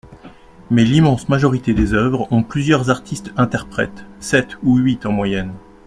Mais l’immense majorité des œuvres ont plusieurs artistes interprètes – sept ou huit en moyenne.